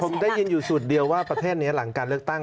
ผมได้ยินอยู่สูตรเดียวว่าประเทศนี้หลังการเลือกตั้ง